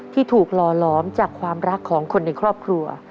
ที่ถูกหล่อหลอมจากความรักของคนในครอบครัว